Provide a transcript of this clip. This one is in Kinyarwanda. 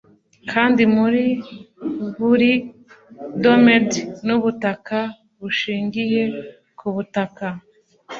kandi muri buri domed nubutaka bushingiye kubutaka